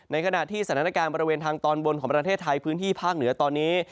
ขณะที่สถานการณ์บริเวณทางตอนบนของประเทศไทยพื้นที่ภาคเหนือตอนนี้